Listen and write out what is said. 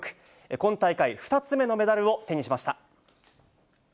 今大会２つ目のメダルを手にしました。